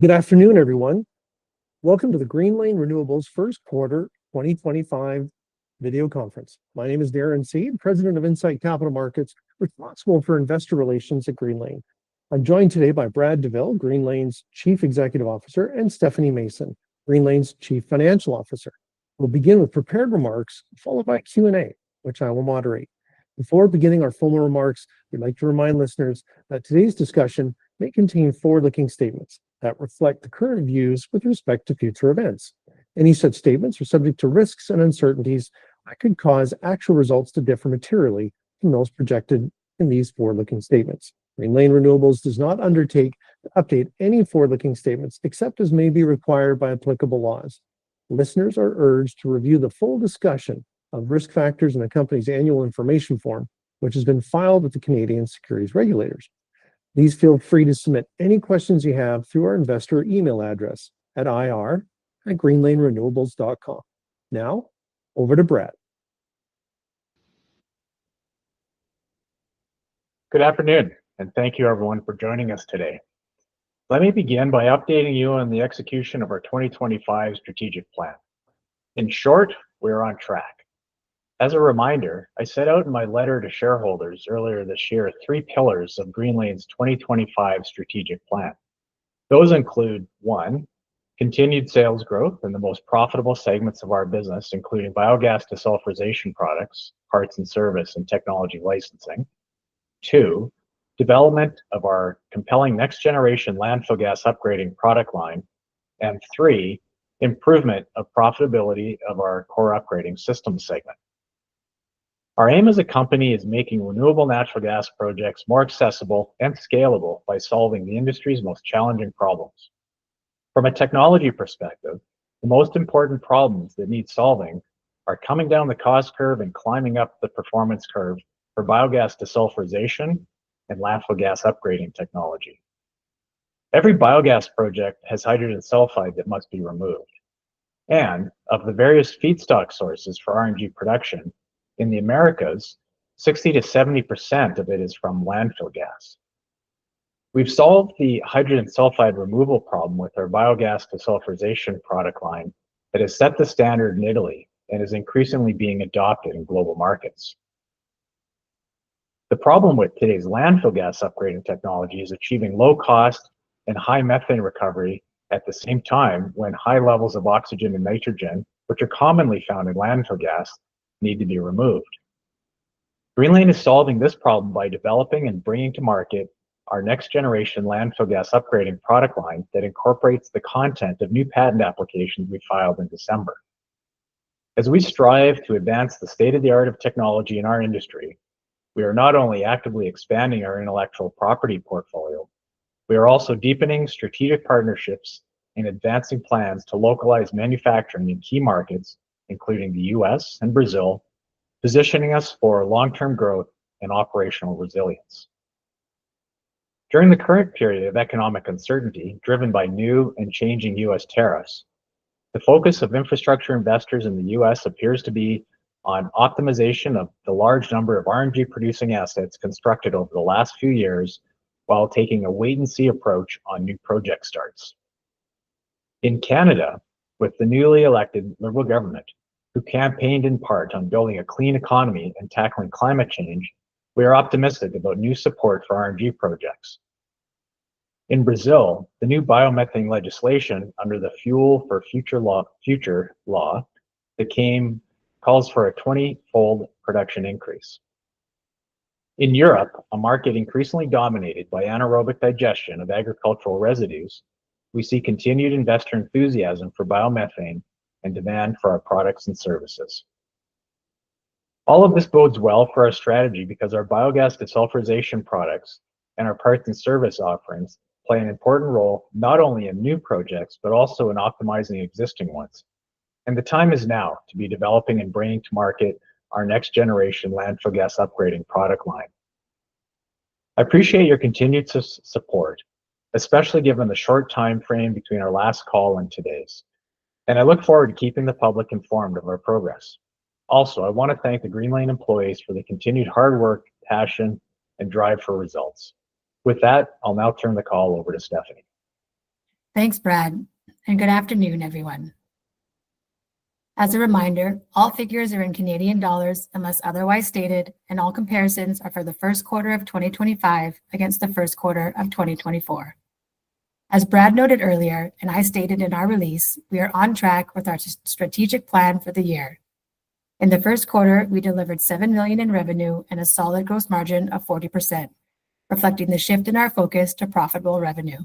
Good afternoon, everyone. Welcome to the Greenlane Renewables First Quarter 2025 video conference. My name is Darren Seed, President of Insight Capital Markets, responsible for investor relations at Greenlane. I'm joined today by Brad Douville, Greenlane's Chief Executive Officer, and Stephanie Mason, Greenlane's Chief Financial Officer. We'll begin with prepared remarks, followed by Q&A, which I will moderate. Before beginning our formal remarks, we'd like to remind listeners that today's discussion may contain forward-looking statements that reflect the current views with respect to future events. Any such statements are subject to risks and uncertainties that could cause actual results to differ materially from those projected in these forward-looking statements. Greenlane Renewables does not undertake to update any forward-looking statements except as may be required by applicable laws. Listeners are urged to review the full discussion of risk factors in the company's annual information form, which has been filed with the Canadian securities regulators. Please feel free to submit any questions you have through our investor email address at ir@greenlanerenewables.com. Now, over to Brad. Good afternoon, and thank you, everyone, for joining us today. Let me begin by updating you on the execution of our 2025 strategic plan. In short, we are on track. As a reminder, I set out in my letter to shareholders earlier this year three pillars of Greenlane's 2025 strategic plan. Those include: one, continued sales growth in the most profitable segments of our business, including biogas desulfurization products, parts and service, and technology licensing; two, development of our compelling next-generation landfill gas upgrading product line; and three, improvement of profitability of our core upgrading system segment. Our aim as a company is making renewable natural gas projects more accessible and scalable by solving the industry's most challenging problems. From a technology perspective, the most important problems that need solving are coming down the cost curve and climbing up the performance curve for biogas desulfurization and landfill gas upgrading technology. Every biogas project has hydrogen sulfide that must be removed. Of the various feedstock sources for RNG production in the Americas, 60%-70% of it is from landfill gas. We've solved the hydrogen sulfide removal problem with our biogas desulfurization product line that has set the standard in Italy and is increasingly being adopted in global markets. The problem with today's landfill gas upgrading technology is achieving low cost and high methane recovery at the same time when high levels of oxygen and nitrogen, which are commonly found in landfill gas, need to be removed. Greenlane is solving this problem by developing and bringing to market our next-generation landfill gas upgrading product line that incorporates the content of new patent applications we filed in December. As we strive to advance the state-of-the-art of technology in our industry, we are not only actively expanding our intellectual property portfolio, we are also deepening strategic partnerships and advancing plans to localize manufacturing in key markets, including the U.S. and Brazil, positioning us for long-term growth and operational resilience. During the current period of economic uncertainty driven by new and changing U.S. tariffs, the focus of infrastructure investors in the U.S. appears to be on optimization of the large number of RNG-producing assets constructed over the last few years while taking a wait-and-see approach on new project starts. In Canada, with the newly elected Liberal government, who campaigned in part on building a clean economy and tackling climate change, we are optimistic about new support for R&D projects. In Brazil, the new biomethane legislation under the Fuel of the Future Law that came calls for a 20-fold production increase. In Europe, a market increasingly dominated by anaerobic digestion of agricultural residues, we see continued investor enthusiasm for biomethane and demand for our products and services. All of this bodes well for our strategy because our biogas desulfurization products and our parts and service offerings play an important role not only in new projects but also in optimizing existing ones. The time is now to be developing and bringing to market our next-generation landfill gas upgrading product line. I appreciate your continued support, especially given the short time frame between our last call and today's. I look forward to keeping the public informed of our progress. Also, I want to thank the Greenlane employees for the continued hard work, passion, and drive for results. With that, I'll now turn the call over to Stephanie. Thanks, Brad. Good afternoon, everyone. As a reminder, all figures are in CAD unless otherwise stated, and all comparisons are for the first quarter of 2025 against the first quarter of 2024. As Brad noted earlier, and I stated in our release, we are on track with our strategic plan for the year. In the first quarter, we delivered 7 million in revenue and a solid gross margin of 40%, reflecting the shift in our focus to profitable revenue.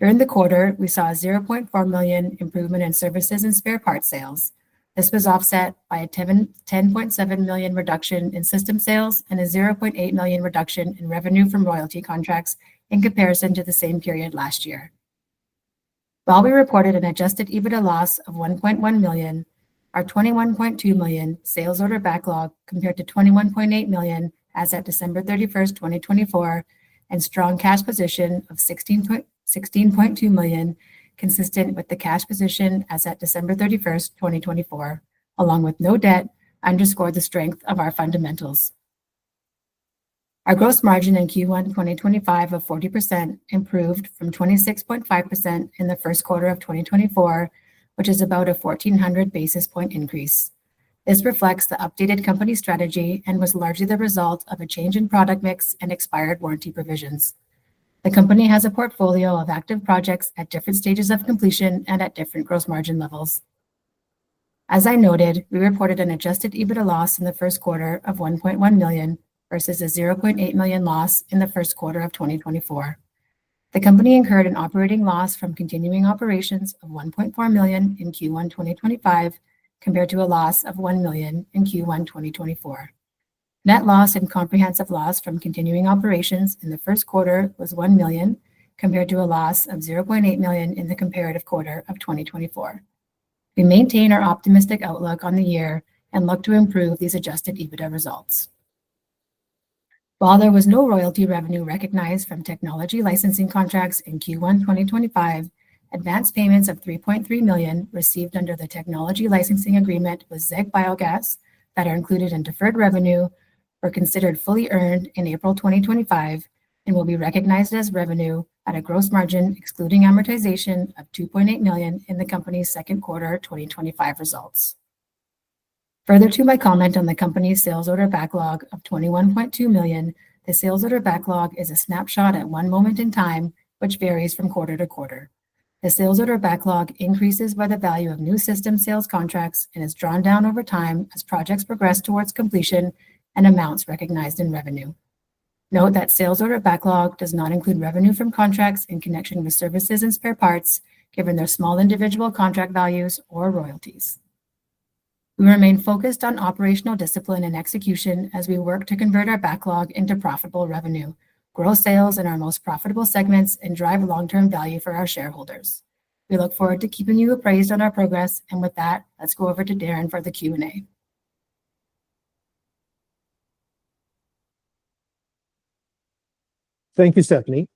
During the quarter, we saw a 0.4 million improvement in services and spare part sales. This was offset by a 10.7 million reduction in system sales and a 0.8 million reduction in revenue from royalty contracts in comparison to the same period last year. While we reported an Adjusted EBITDA loss of $1.1 million, our 21.2 million sales order backlog compared to 21.8 million as at December 31, 2024, and strong cash position of 16.2 million, consistent with the cash position as at December 31, 2024, along with no debt, underscored the strength of our fundamentals. Our gross margin in Q1 2025 of 40% improved from 26.5% in the first quarter of 2024, which is about a 1,400 basis point increase. This reflects the updated company strategy and was largely the result of a change in product mix and expired warranty provisions. The company has a portfolio of active projects at different stages of completion and at different gross margin levels. As I noted, we reported an Adjusted EBITDA loss in the first quarter of $1.1 million versus a $0.8 million loss in the first quarter of 2024. The company incurred an operating loss from continuing operations of 1.4 million in Q1 2025 compared to a loss of 1 million in Q1 2024. Net loss and comprehensive loss from continuing operations in the first quarter was 1 million compared to a loss of 0.8 million in the comparative quarter of 2024. We maintain our optimistic outlook on the year and look to improve these Adjusted EBITDA results. While there was no royalty revenue recognized from technology licensing contracts in Q1 2025, advanced payments of 3.3 million received under the technology licensing agreement with Zeck Biogas that are included in deferred revenue were considered fully earned in April 2025 and will be recognized as revenue at a gross margin excluding amortization of 2.8 million in the company's second quarter 2025 results. Further to my comment on the company's sales order backlog of 21.2 million, the sales order backlog is a snapshot at one moment in time, which varies from quarter to quarter. The sales order backlog increases by the value of new system sales contracts and is drawn down over time as projects progress towards completion and amounts recognized in revenue. Note that sales order backlog does not include revenue from contracts in connection with services and spare parts, given their small individual contract values or royalties. We remain focused on operational discipline and execution as we work to convert our backlog into profitable revenue, grow sales in our most profitable segments, and drive long-term value for our shareholders. We look forward to keeping you appraised on our progress. Let's go over to Darren for the Q&A. Thank you, Stephanie.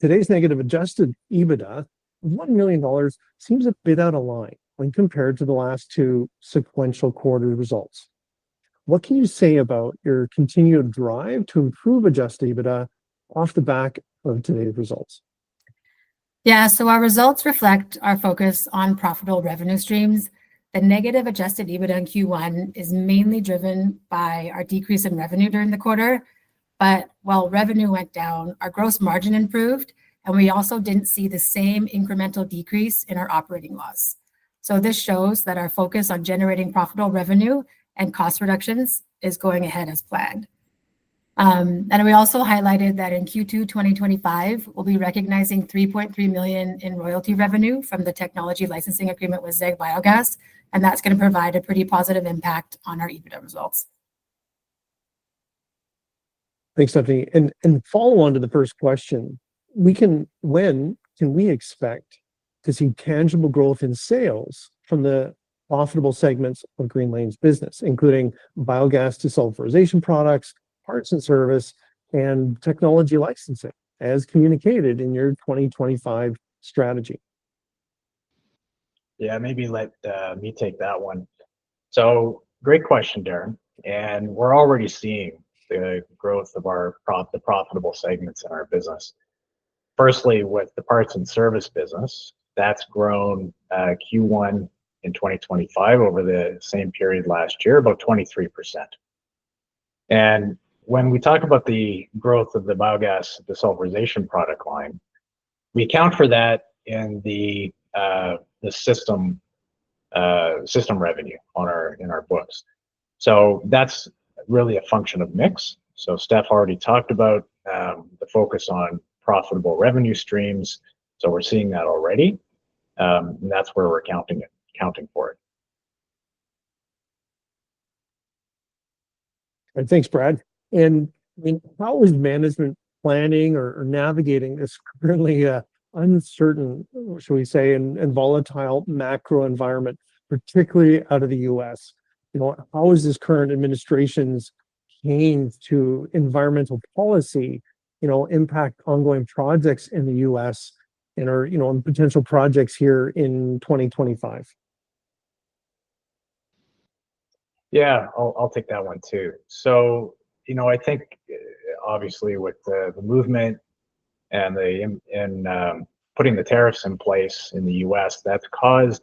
Today's negative Adjusted EBITDA of $1 million seems a bit out of line when compared to the last two sequential quarter results. What can you say about your continued drive to improveAadjusted EBITDA off the back of today's results? Yeah, so our results reflect our focus on profitable revenue streams. The negative adjusted EBITDA in Q1 is mainly driven by our decrease in revenue during the quarter. While revenue went down, our gross margin improved, and we also did not see the same incremental decrease in our operating loss. This shows that our focus on generating profitable revenue and cost reductions is going ahead as planned. We also highlighted that in Q2 2025, we will be recognizing 3.3 million in royalty revenue from the technology licensing agreement with Zeck Biogas. That is going to provide a pretty positive impact on our EBITDA results. Thanks, Stephanie. Following to the first question, we can, when can we expect to see tangible growth in sales from the profitable segments of Greenlane's business, including biogas desulfurization products, parts and service, and technology licensing, as communicated in your 2025 strategy? Yeah, maybe let me take that one. Great question, Darren. We're already seeing the growth of the profitable segments in our business. Firstly, with the parts and service business, that's grown Q1 in 2025 over the same period last year, about 23%. When we talk about the growth of the biogas desulfurization product line, we account for that in the system revenue in our books. That's really a function of mix. Steph already talked about the focus on profitable revenue streams. We're seeing that already. That's where we're accounting for it. Thanks, Brad. How is management planning or navigating this currently uncertain, shall we say, and volatile macro environment, particularly out of the U.S.? How is this current administration's change to environmental policy impact ongoing projects in the U.S. and potential projects here in 2025? Yeah, I'll take that one too. I think, obviously, with the movement and putting the tariffs in place in the U.S., that's caused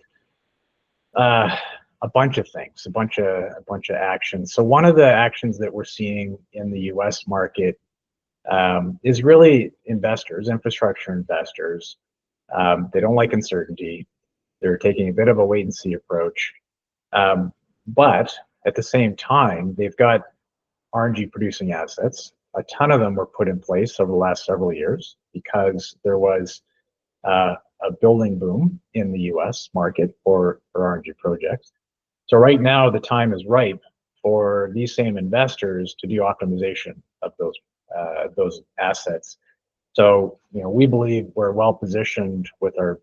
a bunch of things, a bunch of actions. One of the actions that we're seeing in the U.S. market is really investors, infrastructure investors. They don't like uncertainty. They're taking a bit of a wait-and-see approach. At the same time, they've got RNG producing assets. A ton of them were put in place over the last several years because there was a building boom in the U.S. market for RNG projects. Right now, the time is ripe for these same investors to do optimization of those assets. We believe we're well positioned with our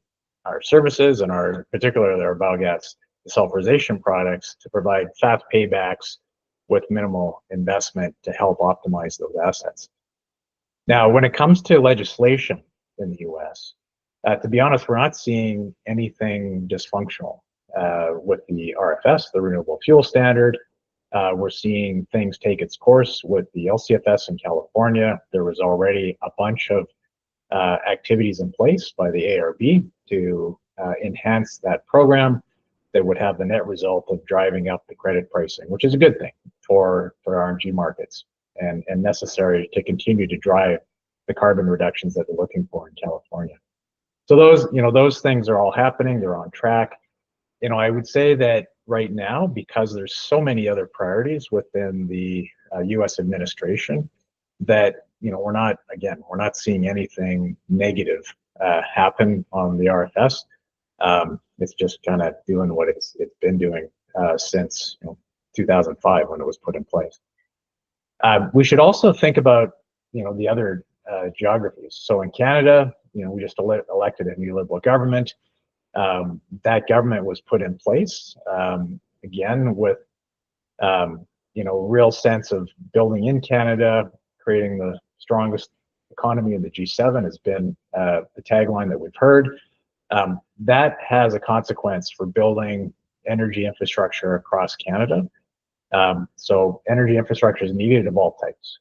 services and particularly our biogas desulfurization products to provide fast paybacks with minimal investment to help optimize those assets. Now, when it comes to legislation in the U.S., to be honest, we're not seeing anything dysfunctional with the RFS, the Renewable Fuel Standard. We're seeing things take its course with the LCFS in California. There was already a bunch of activities in place by the ARB to enhance that program that would have the net result of driving up the credit pricing, which is a good thing for RNG markets and necessary to continue to drive the carbon reductions that they're looking for in California. Those things are all happening. They're on track. I would say that right now, because there's so many other priorities within the U.S. administration, we're not, again, we're not seeing anything negative happen on the RFS. It's just kind of doing what it's been doing since 2005 when it was put in place. We should also think about the other geographies. In Canada, we just elected a new Liberal government. That government was put in place, again, with a real sense of building in Canada, creating the strongest economy in the G7 has been the tagline that we've heard. That has a consequence for building energy infrastructure across Canada. Energy infrastructure is needed of all types.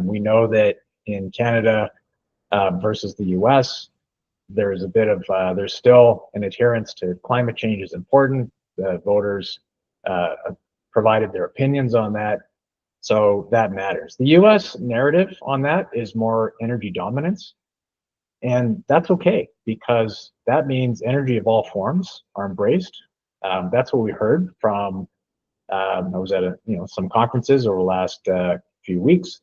We know that in Canada versus the U.S., there's a bit of there's still an adherence to climate change is important. Voters provided their opinions on that. That matters. The U.S. narrative on that is more energy dominance. That's okay because that means energy of all forms are embraced. That's what we heard from I was at some conferences over the last few weeks.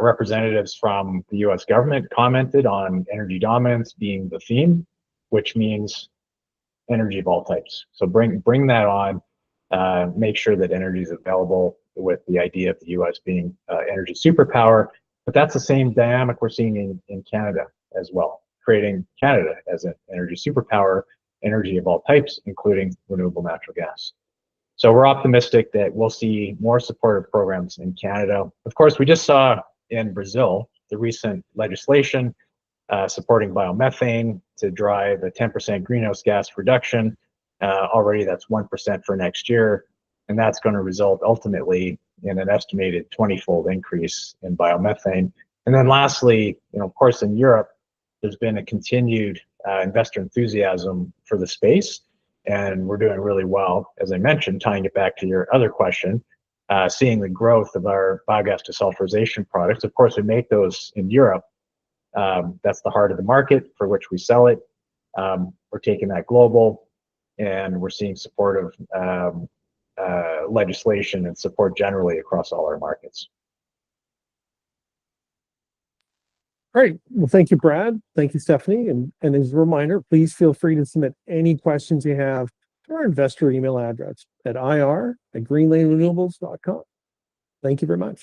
Representatives from the U.S. government commented on energy dominance being the theme, which means energy of all types. Bring that on. Make sure that energy is available with the idea of the U.S. being an energy superpower. That is the same dynamic we are seeing in Canada as well, creating Canada as an energy superpower, energy of all types, including renewable natural gas. We are optimistic that we will see more supportive programs in Canada. Of course, we just saw in Brazil the recent legislation supporting biomethane to drive a 10% greenhouse gas reduction. Already, that is 1% for next year. That is going to result ultimately in an estimated 20-fold increase in biomethane. Lastly, of course, in Europe, there has been a continued investor enthusiasm for the space. We are doing really well, as I mentioned, tying it back to your other question, seeing the growth of our biogas desulfurization products. We make those in Europe. That is the heart of the market for which we sell it. We're taking that global. We're seeing supportive legislation and support generally across all our markets. Great. Thank you, Brad. Thank you, Stephanie. As a reminder, please feel free to submit any questions you have to our investor email address at ir@greenlanerenewables.com. Thank you very much.